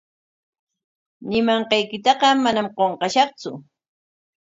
Ñimanqaykitaqa manam qunqashaqtsu.